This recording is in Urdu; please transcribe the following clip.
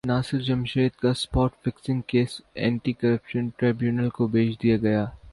ناصر جمشید کا spot fixing case anti corruption tribunal کو بھیج دیاگیا